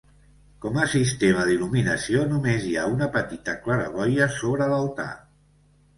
Com a sistema d'il·luminació només hi ha una petita claraboia sobre l'altar.